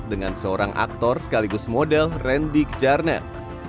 dengan seorang aktor sekaligus model randy kejarnet